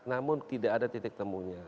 namun tidak ada titik temunya